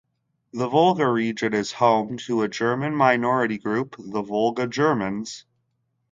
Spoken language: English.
The Volga region is home to a German minority group, the Volga Germans.